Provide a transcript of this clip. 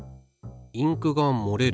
インクがもれる。